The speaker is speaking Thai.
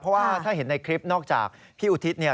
เพราะว่าถ้าเห็นในคลิปนอกจากพี่อุทิศเนี่ย